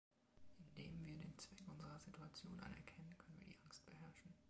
Indem wir den Zweck unserer Situation anerkennen, können wir die Angst beherrschen.